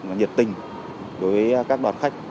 và nhiệt tình đối với các đoàn khách